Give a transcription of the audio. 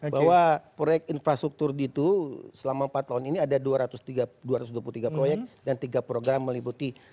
bahwa proyek infrastruktur itu selama empat tahun ini ada dua ratus dua puluh tiga proyek dan tiga program meliputi